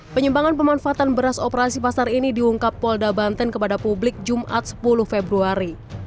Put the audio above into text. penyimpangan pemanfaatan beras operasi pasar ini diungkap polda banten kepada publik jumat sepuluh februari